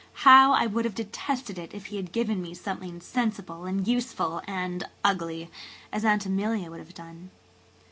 How I would have detested it if he had given me something sensible and useful and ugly–as Aunt Emilia would have done."